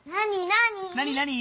なになに？